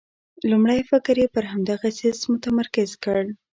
لومړی فکر یې پر همدغه څه متمرکز کړ.